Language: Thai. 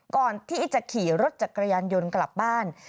ก่อนที่จะขี่รถจักรยานยนต์กลับบ้าน